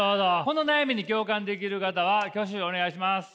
この悩みに共感できる方は挙手お願いします。